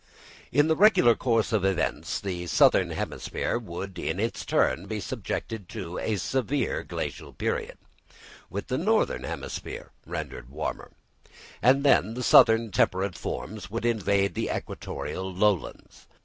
In the regular course of events the southern hemisphere would in its turn be subjected to a severe Glacial period, with the northern hemisphere rendered warmer; and then the southern temperate forms would invade the equatorial lowlands.